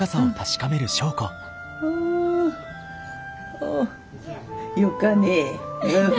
およかね。